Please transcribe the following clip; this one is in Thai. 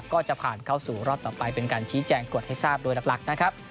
ก็จะผ่านเข้าสู่รอบต่อไปเป็นการชี้แจงกฎให้ทราบโดยหลักนะครับ